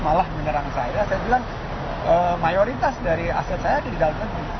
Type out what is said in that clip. malah menerang saya saya bilang mayoritas dari aset saya ada di dalamnya